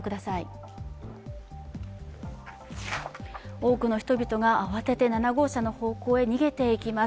多くの人々が慌てて７号車の方向へ逃げていきます。